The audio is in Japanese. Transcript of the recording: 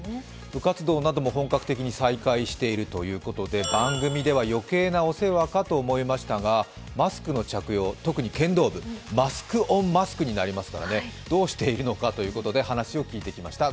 部活動なども本格的に再開しているということで、番組では余計なお世話かと思いましたがマスクの着用、特に剣道部マスクオンマスクになりますからどうしているのかということで話を聞いてきました。